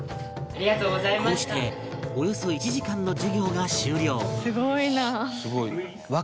こうしておよそ１時間の授業が終了